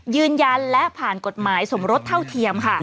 ยืนยันและผ่านกฎหมายสมรสเท่าเทียมค่ะ